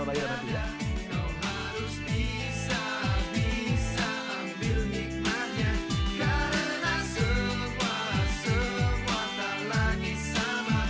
walau kau tahu dia pun merasakannya